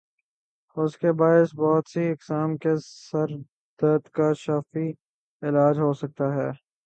اسکے باعث بہت سی اقسام کے سر درد کا شافی علاج ہو سکتا ہے